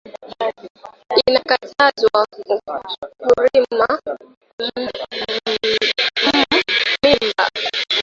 Ina katazwa kurima mu miba